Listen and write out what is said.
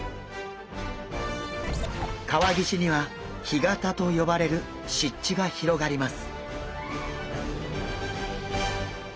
川岸には干潟と呼ばれる湿地が広がります。